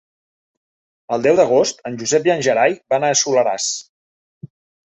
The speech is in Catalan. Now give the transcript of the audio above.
El deu d'agost en Josep i en Gerai van al Soleràs.